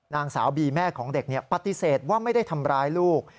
นางสาวบีแม่ของเด็กปฏิเสธว่าไม่ได้ทำร้ายลูก